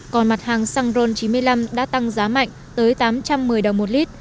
còn mặt hàng xăng ron chín mươi năm đã tăng giá mạnh tới tám trăm một mươi đồng một lít